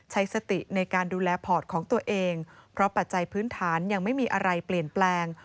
ใช้สติในการดูแลพอร์ตของตัวเองเพราะปัจจัยพื้นฐานยังไม่มีอะไรเปลี่ยนแปลง